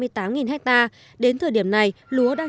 đến thời điểm này lúa đang trong giai đoạn